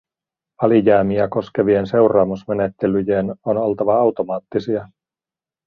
Alijäämiä koskevien seuraamusmenettelyjen on oltava automaattisia.